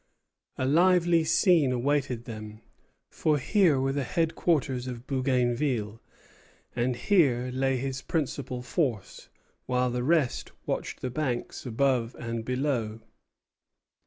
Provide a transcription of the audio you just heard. A lively scene awaited them; for here were the headquarters of Bougainville, and here lay his principal force, while the rest watched the banks above and below.